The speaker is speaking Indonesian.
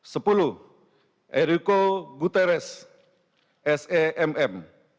sepuluh eriko guterres semm